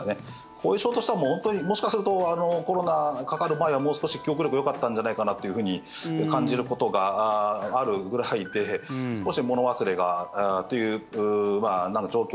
後遺症としては、もう本当にもしかするとコロナにかかる前はもう少し記憶力がよかったんじゃないかなっていうふうに感じることがあるぐらいで少し物忘れがという状況